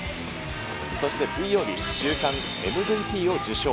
そして水曜日、週間ＭＶＰを受賞。